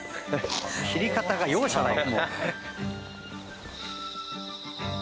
切り方が容赦ない。